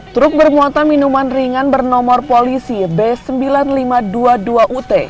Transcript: truk bermuatan minuman ringan bernomor polisi b sembilan ribu lima ratus dua puluh dua ut